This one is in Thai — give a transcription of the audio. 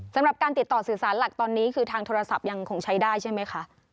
สำหรับการติดต่อสื่อสารหลักตอนนี้คือทางโทรศัพท์ยังคงใช้ได้ใช่ไหมคะ